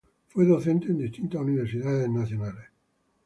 Fue docente en distintas universidades nacionales.